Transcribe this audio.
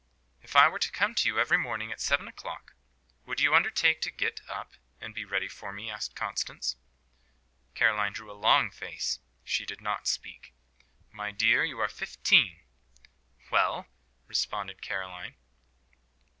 "If I were to come to you every morning at seven o'clock, would you undertake to get up and be ready for me?" asked Constance. Caroline drew a long face. She did not speak. "My dear, you are fifteen." "Well?" responded Caroline.